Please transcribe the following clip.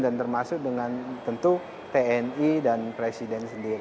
dan termasuk dengan tentu tni dan presiden sendiri